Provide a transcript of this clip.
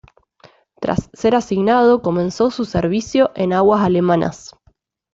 Tras ser asignado, comenzó su servicio en aguas alemanas.